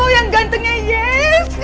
yang gantengnya yes